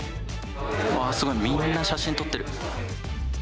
すごい、みんな写真撮ってる。